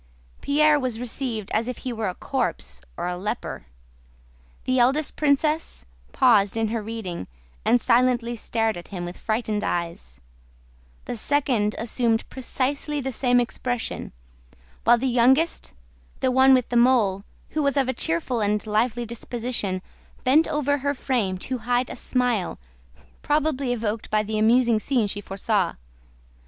Pierre was received as if he were a corpse or a leper. The eldest princess paused in her reading and silently stared at him with frightened eyes; the second assumed precisely the same expression; while the youngest, the one with the mole, who was of a cheerful and lively disposition, bent over her frame to hide a smile probably evoked by the amusing scene she foresaw.